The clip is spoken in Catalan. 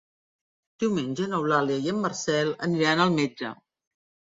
Diumenge n'Eulàlia i en Marcel aniran al metge.